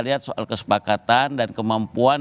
lihat soal kesepakatan dan kemampuan